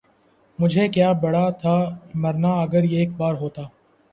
مجھے کیا برا تھا مرنا اگر ایک بار ہوتا